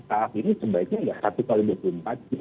saat ini sebaiknya ya satu x dua puluh empat jam